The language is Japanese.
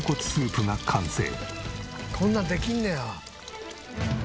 こんなんできんねや。